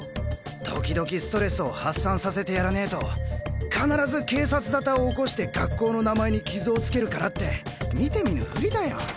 時々ストレスを発散させてやらねえと必ず警察沙汰を起こして学校の名前に傷をつけるからって見て見ぬふりだよ。